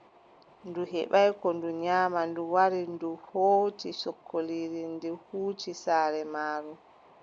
Ndu heɓaay ko ndu nyaama, ndu wari, ndu hooci sokoliire, ndu huuci saare maaru.